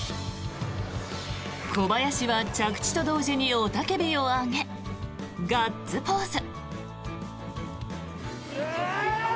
小林は着地と同時に雄たけびを上げガッツポーズ。